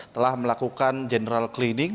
telah melakukan general cleaning